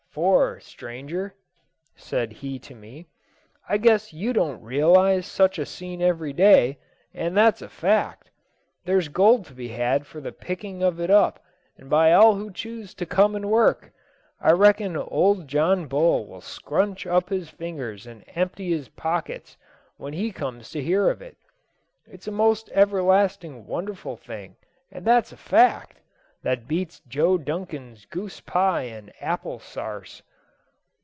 for, stranger," said he to me, "I guess you don't realise such a scene every day, and that's a fact. There's gold to be had for the picking of it up, and by all who choose to come and work. I reckon old John Bull will scrunch up his fingers in his empty pockets when he comes to hear of it. It's a most everlasting wonderful thing, and that's a fact, that beats Joe Dunkin's goose pie and apple sarse."